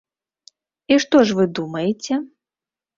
І што ж вы думаеце?